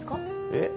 えっ？